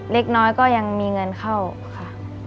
เล็กน้อยก็ยังมีเงินเข้าค่ะ